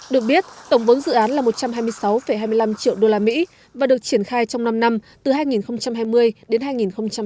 được biết tổng vốn dự án là một trăm hai mươi sáu hai mươi năm triệu usd và được triển khai trong năm năm từ hai nghìn hai mươi đến hai nghìn hai mươi một